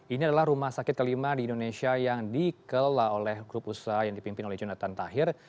ini adalah rumah sakit kelima di indonesia yang dikelola oleh grup usaha yang dipimpin oleh jonathan tahir